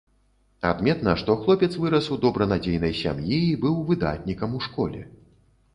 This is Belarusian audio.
Адметна, што хлопец вырас у добранадзейнай сям'і і быў выдатнікам у школе.